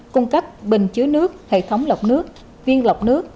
cung cấp bình chứa nước hệ thống lọc nước viên lọc nước